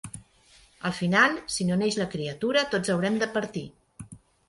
Al final, si no neix la criatura, tots haurem de partir.